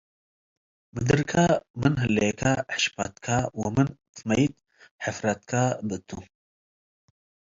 ምድርከ ምን ህሌከ ሕሽመትከ ወምን ትመይት ሕፍረትከ ብእቱ።